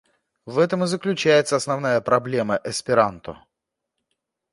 В этом и заключается основная проблема эсперанто.